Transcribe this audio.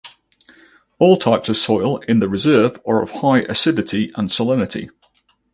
All types of soil in the reserve are of high acidity and salinity.